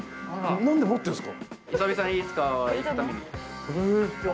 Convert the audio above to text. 何で持ってんすか？